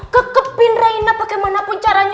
kekepin reina bagaimanapun caranya